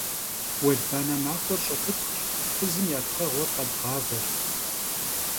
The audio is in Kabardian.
Vuelbane maxuer ş'epıtxhş, fızım ya txheğuer khebğaveş.